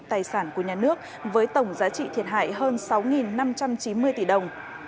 tài sản của nhà nước với tổng giá trị thiệt hại hơn sáu năm trăm chín mươi tỷ đồng